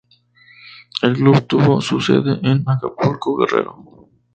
El club tuvo su sede en Acapulco, Guerrero.